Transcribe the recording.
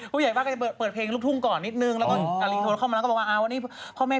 ผู้ใหญ่บ้านชอบน่ารัก